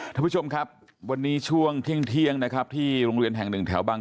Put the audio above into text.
ท่านผู้ชมครับวันนี้ช่วงเที่ยงนะครับที่โรงเรียนแห่งหนึ่งแถวบาง